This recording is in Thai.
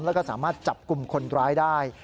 แล้วก็สามารถจับกลุ่มคนร้ายได้